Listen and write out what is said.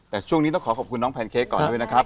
แต่ช่วงนี้ต้องขอขอบคุณน้องแพนเค้กก่อนด้วยนะครับ